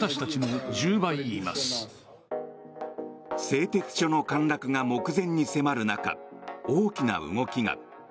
製鉄所の陥落が目前に迫る中大きな動きが。